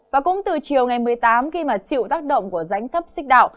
và cũng từ chiều ngày một mươi tám khi mà chịu tác động của rãnh thấp xích đạo